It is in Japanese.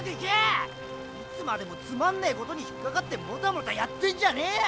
いつまでもつまんねーことに引っかかってモタモタやってんじゃねーよ。